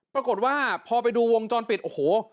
ปรากฏว่าพอไปดูวงจรปิดโอ้โห